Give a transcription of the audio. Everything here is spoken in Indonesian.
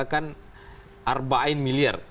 kan arba'in miliar